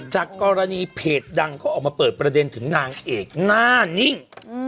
จากกรณีเพจดังเขาออกมาเปิดประเด็นถึงนางเอกหน้านิ่ง